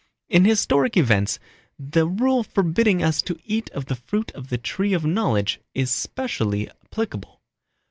In historic events the rule forbidding us to eat of the fruit of the Tree of Knowledge is specially applicable.